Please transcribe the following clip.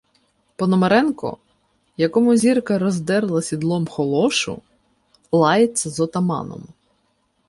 Пономаренко, якому Зірка роздерла сідлом холошу, "лається" з отаманом: